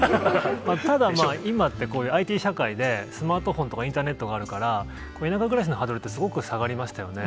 ただ、まあ、今ってＩＴ社会で、スマートフォンとかインターネットがあるから、田舎暮らしのハードルってすごく下がりましたよね。